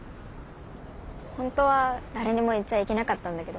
本当は誰にも言っちゃいけなかったんだけど。